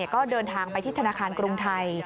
ก็เดินทางไปที่ธนาคารกรุงไทย